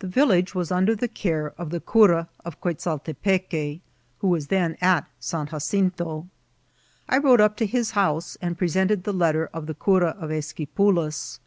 The village was under the care of the cura of Quez altepeque, who was then at San Jacinto. I rode up to his house and presented the letter of the cura of Es quipulas.